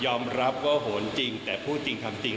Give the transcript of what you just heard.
รับว่าโหนจริงแต่พูดจริงทำจริง